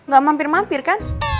gak mampir mampir kan